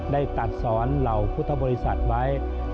ได้ตัดสอนเหล่าพุทธบริษัทไว้